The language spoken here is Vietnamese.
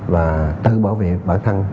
và tự bảo vệ bản thân